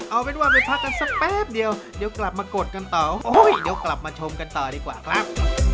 เอาเป็นว่าไปพักกันสักแป๊บเดียวเดี๋ยวกลับมากดกันต่อเดี๋ยวกลับมาชมกันต่อดีกว่าครับ